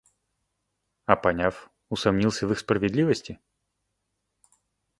А поняв, усумнился в их справедливости?